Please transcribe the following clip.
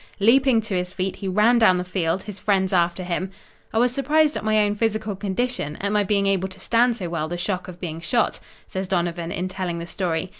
Leaping to his feet he ran down the field, his friends after him. "I was surprised at my own physical condition at my being able to stand so well the shock of being shot," says Donovan in telling the story.